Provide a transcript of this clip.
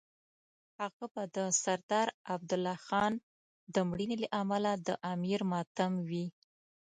هغه به د سردار عبدالله جان د مړینې له امله د امیر ماتم وي.